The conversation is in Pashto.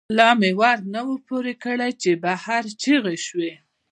دَ لا ور نه وو پورې کړ، چې بهر چغې شوې